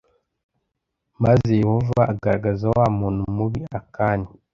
maze Yehova agaragaza wa muntu mubi Akani